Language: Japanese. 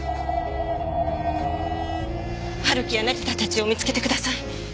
春樹や成田たちを見つけてください。